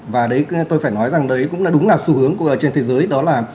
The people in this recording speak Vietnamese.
và đấy tôi phải nói rằng đấy cũng là đúng là xu hướng của trên thế giới đó là